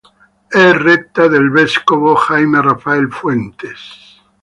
È retta dal vescovo Jaime Rafael Fuentes.